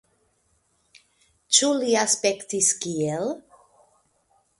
Ĉu li aspektis kiel !